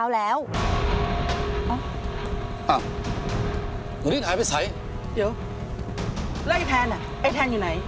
แล้วไอ้แทนไอ้แทนอยู่ไหน